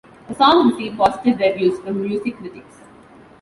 The song received positive reviews from music critics.